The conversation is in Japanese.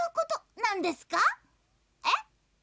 えっ？